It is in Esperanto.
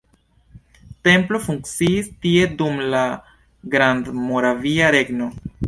Templo funkciis tie dum la Grandmoravia Regno.